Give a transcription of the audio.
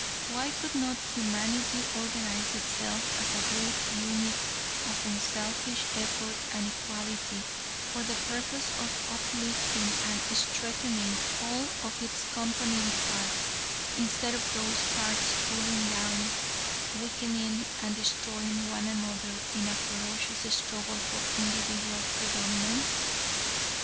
Why could not humanity organize itself as a great unit of unselfish effort and equality, for the purpose of uplifting and strengthening all of its component parts, instead of those parts pulling down, weakening, and destroying one another in a ferocious struggle for individual predominance?